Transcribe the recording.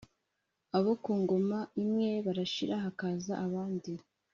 abokungoma imwe barashira hakaza abandi